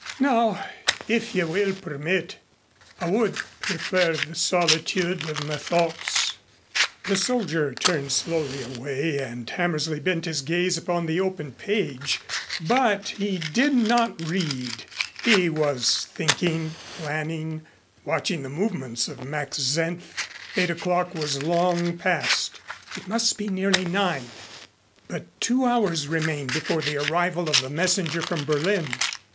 "Now, if you will permit, I would prefer the solitude of my thoughts." The soldier turned slowly away and Hammersley bent his gaze upon the open page, but he did not read. He was thinking, planning, watching the movements of Max Senf. Eight o'clock was long past. It must be nearly nine. But two hours remained before the arrival of the messenger from Berlin.